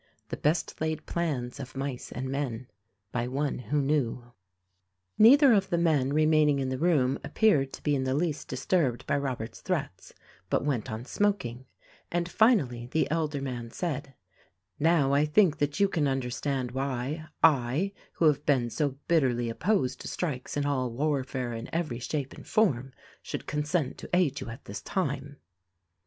"The best laid plans of mice and men "— By One who knew. Neither of the men remaining in the room appeared to be in the least disturbed by Robert's threats, but went on smoking; and finally, the elder man said, "Now, I think that you can understand why, I, who have been so bitterly opposed to strikes and all warfare in every shape and form, should consent to aid you at this time."